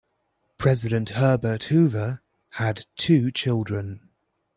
President Herbert Hoover had two children.